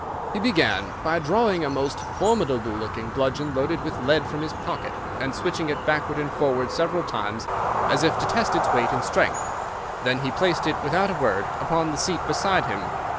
"He began by drawing a most formidable looking bludgeon loaded with lead from his pocket, and switching it backward and forward several times, as if to test its weight and strength. Then he placed it without a word upon the seat beside him.